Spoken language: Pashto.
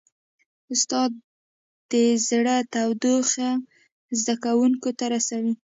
استاد د زړه تودوخه زده کوونکو ته رسوي.